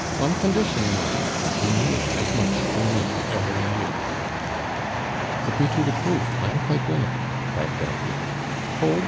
On condition, mind, that you make as much for me every year." "Put me to the proof, I am quite willing," cried David. "Kolb!